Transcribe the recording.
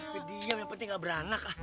dia diam yang penting gak beranak ah